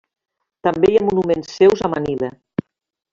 També hi ha monuments seus a Manila.